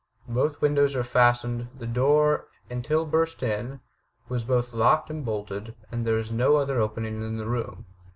Both windows are fastened; the door, until burst in, was both locked and bolted; and there is no other opening in the room.